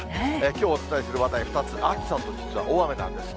きょうお伝えする話題２つ、暑さと大雨なんです。